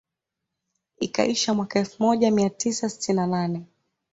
Ikaishia mwaka elfu moja mia tisa sitini na nne